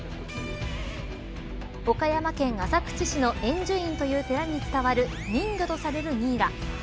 岡山県浅口市の円珠院という寺に伝わる人魚とされるミイラ。